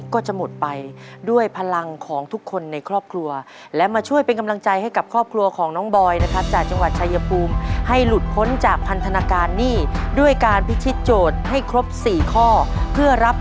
ก็ดีค่ะก็ไม่ได้โกรธไม่ได้อะไรค่ะ